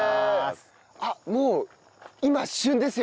あっもう今旬ですよね？